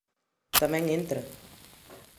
Tamén entra.